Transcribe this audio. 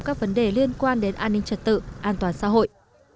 các vấn đề liên quan đến an ninh trật tự an toàn xã hội